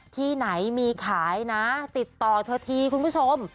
ที่ไหนมีขายนะติดต่อเธอทีคุณผู้ชม